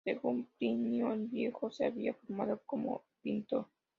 Según Plinio el Viejo, se había formado como pintor.